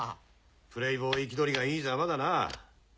プレイボーイ気取りがいいザマだな。